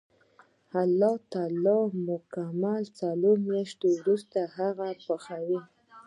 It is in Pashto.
الله تعالی مکمل څلور میاشتې وروسته هغه پخوي.